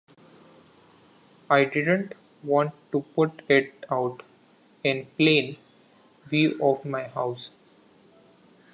I didn't want to put it out in plain view of my house.